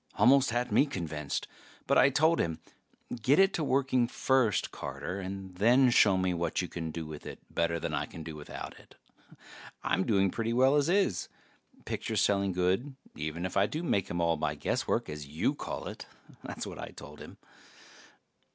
Almost had me convinced, but I told him, "Get it to working first, Carter, and then show me what you can do with it better than I can do without it. I'm doing pretty well as is ... pictures selling good, even if I do make 'em all by guesswork, as you call it." That's what I told him.